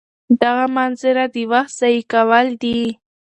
دغه مناظره د وخت ضایع کول دي.